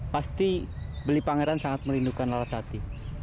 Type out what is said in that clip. pasti beli pangeran sangat merindukan larasati